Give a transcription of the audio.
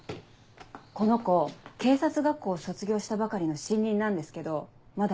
この子警察学校を卒業したばかりの新任なんですけどまだ